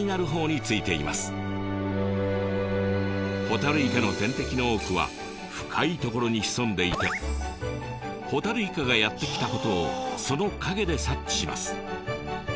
ホタルイカの天敵の多くは深い所に潜んでいてホタルイカがやって来たことをその影で察知します。